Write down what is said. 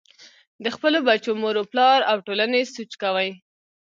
د خپلو بچو مور و پلار او ټولنې سوچ کوئ -